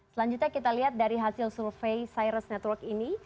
selanjutnya kita lihat dari hasil survei cyrus network ini